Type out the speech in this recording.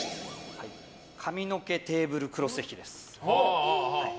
髪の毛テーブルクロス引きです。